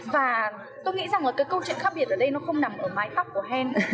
và tôi nghĩ rằng là cái câu chuyện khác biệt ở đây nó không nằm ở mái tóc của hèn